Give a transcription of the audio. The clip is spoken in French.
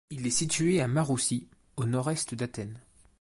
Il est situé à Maroussi, au nord-est d’Athènes.